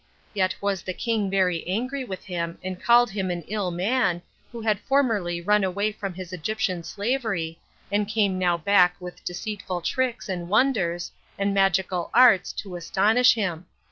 Yet was the king very angry with him and called him an ill man, who had formerly run away from his Egyptian slavery, and came now back with deceitful tricks, and wonders, and magical arts, to astonish him.